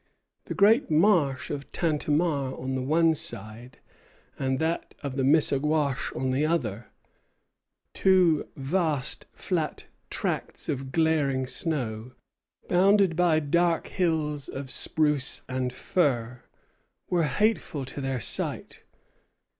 The great marsh of Tantemar on the one side, and that of Missaguash on the other, two vast flat tracts of glaring snow, bounded by dark hills of spruce and fir, were hateful to their sight.